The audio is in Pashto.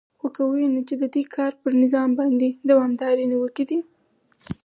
خو که ووینو چې د دوی کار پر نظام باندې دوامدارې نیوکې دي